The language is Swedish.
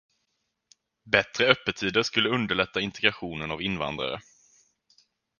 Bättre öppettider skulle underlätta integrationen av invandrare.